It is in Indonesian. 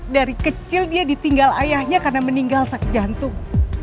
dari kecil dia ditinggal ayahnya karena meninggal sakit jantung